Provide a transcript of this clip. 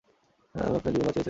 আমি আপনার জীবন বাঁচিয়েছিলাম না?